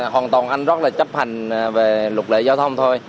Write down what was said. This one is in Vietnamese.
hoàn toàn anh rất là chấp hành về luật lệ giao thông thôi